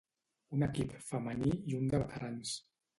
Un equip Femení i un de veterans.